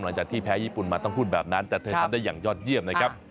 หลังจากที่แพ้ญี่ปุ่นมาต้องพูดแบบนั้นแต่เธอทำได้อย่างยอดเยี่ยมนะครับ